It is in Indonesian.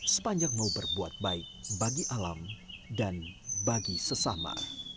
sepanjang mau berbuat baik bagi alam dan bagi sesama